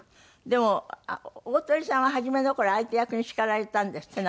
でも鳳さんは初めの頃相手役に叱られたんですって？